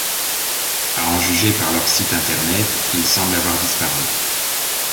À en juger par leurs sites internet, ils semblent avoir disparu.